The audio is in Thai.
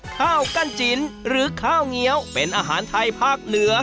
ข้าวกั้นจินหรือข้าวเงี้ยวเป็นอาหารไทยภาคเหนือ